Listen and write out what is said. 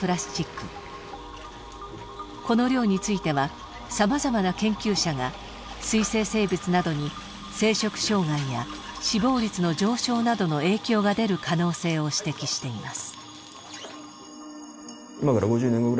この量についてはさまざまな研究者が水生生物などに生殖障害や死亡率の上昇などの影響が出る可能性を指摘しています。